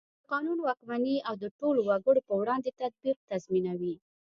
د قانون واکمني او د ټولو وګړو په وړاندې تطبیق تضمینوي.